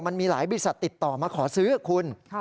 มันมีหลายบริษัทติดต่อมาขอซื้อคุณ